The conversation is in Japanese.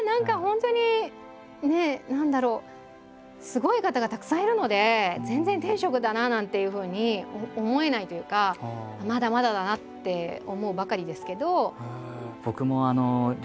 すごい方がたくさんいるので全然天職だななんていうふうに思えないというかまだまだだなって思うばかりですけど。